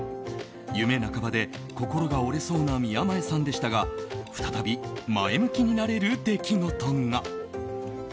夢半ばで心が折れそうな宮前さんでしたが再び前向きになれる出来事が。